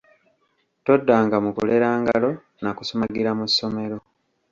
Toddanga mu kulera ngalo na kusumagira mu ssomero.